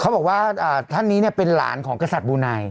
เขาบอกว่าท่านนี้เนี่ยเป็นหลานของขศัสดิ์บูนาย